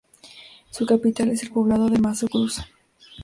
Su capital es el poblado de Mazo Cruz.